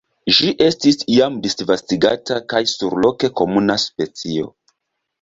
Ĝi estis iam disvastigata kaj surloke komuna specio.